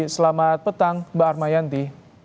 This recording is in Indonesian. selamat petang mbak armayanti